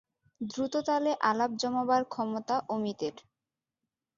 দ্রুততালে আলাপ জমাবার ক্ষমতা অমিতর।